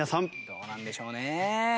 どうなんでしょうね？